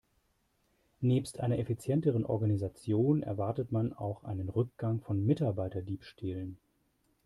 Nebst einer effizienteren Organisation erwartet man auch einen Rückgang von Mitarbeiterdiebstählen.